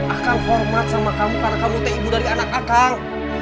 akan format sama kamu karena kamu t ibu dari anak akan